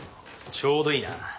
ちょうどいいな。